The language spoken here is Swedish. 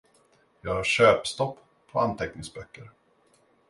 Jag har köpstopp på anteckningsböcker.